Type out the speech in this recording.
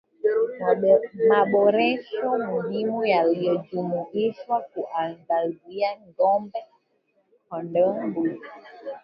Maboresho muhimu yalijumuisha kuangazia ng'ombe kondoo mbuzi